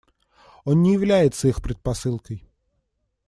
Он не является их предпосылкой.